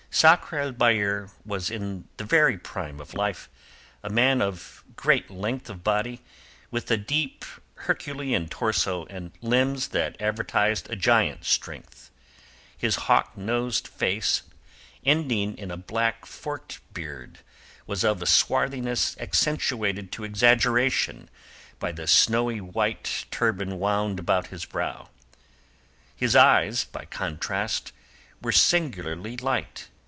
Sakr el Bahr was in the very prime of life, a man of a great length of body, with a deep Herculean torso and limbs that advertised a giant strength. His hawk nosed face ending in a black forked beard was of a swarthiness accentuated to exaggeration by the snowy white turban wound about his brow. His eyes, by contrast, were singularly light.